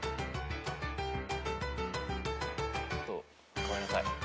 ごめんなさい。